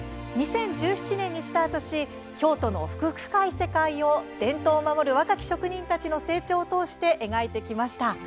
２０１７年にスタートし京都の奥深い世界を伝統を守る若き職人たちの成長を通して描いてきました。